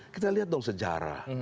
kita lihat dong sejarah